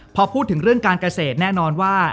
พอพูดถึงเรื่องการเกษตรแน่นอนว่า